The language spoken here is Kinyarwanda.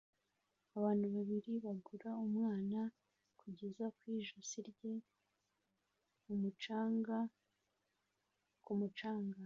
Abantu babiri bagura umwana kugeza ku ijosi rye mu mucanga ku mucanga